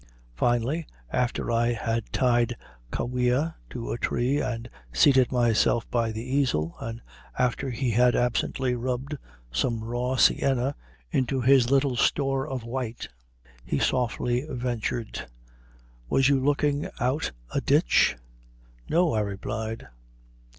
Finally, after I had tied Kaweah to a tree and seated myself by the easel, and after he had absently rubbed some raw sienna into his little store of white, he softly ventured: "Was you looking out a ditch?" "No," I replied.